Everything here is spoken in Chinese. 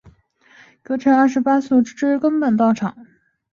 葛城二十八宿修验道之根本道场。